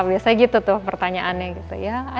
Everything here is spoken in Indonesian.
biasanya gitu tuh pertanyaannya